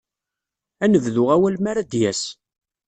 Ad nebdu awal mi ara d-yas.